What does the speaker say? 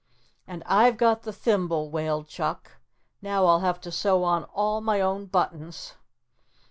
"And I've got the thimble," wailed Chuck. "Now I'll have to sew on all my own buttons."